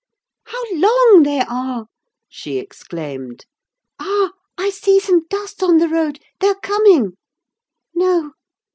"How long they are!" she exclaimed. "Ah, I see some dust on the road—they are coming! No!